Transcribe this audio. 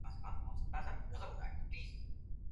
هغه د تاریخ د فلسفې بنسټ ایښودونکی دی.